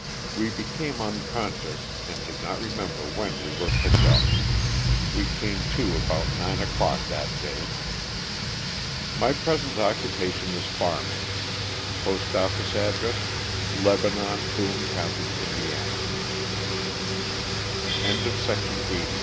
We became unconscious and did not remember when we were picked up. We came to about nine o'clock that day. My present occupation is farming. Postoffice address, Lebanon, Boone county,